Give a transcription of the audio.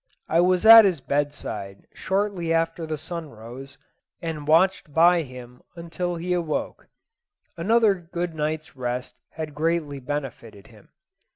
I was at his bedside shortly after the sun rose, and watched by him until he awoke Another good night's rest had greatly benefited him.